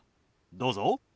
どうぞ。